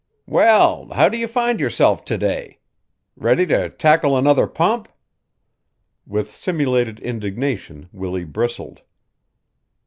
"Well, how do you find yourself to day? Ready to tackle another pump?" With simulated indignation Willie bristled.